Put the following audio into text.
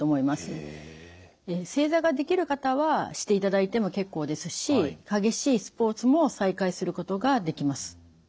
正座ができる方はしていただいても結構ですし激しいスポーツも再開することができます。